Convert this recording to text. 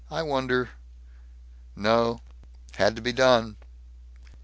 I wonder No. Had to be done."